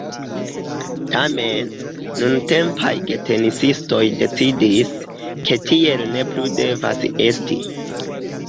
Tamen nuntempaj getenisistoj decidis, ke tiel ne plu devas esti.